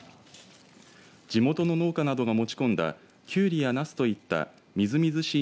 地元の農家などが持ち込んだきゅうりやなすといったみずみずしい